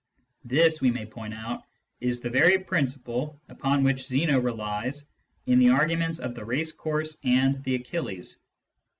This, we may point out, is the very principle upon which Zeno relies in the arguments of the race course and the Achilles.